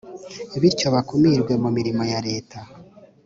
bityo bakumirwe mu mirimo ya leta.